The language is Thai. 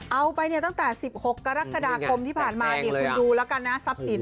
เอาไปเนี่ยตั้งแต่๑๖กรกฎาคมที่ผ่านมาเนี่ยคุณดูแล้วกันนะทรัพย์สิน